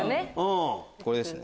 これですね。